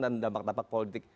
dan dampak dampak politik